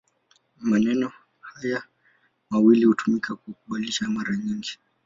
Maneno haya mawili hutumika kwa kubadilishana mara nyingi.